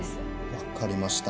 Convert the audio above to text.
分かりました。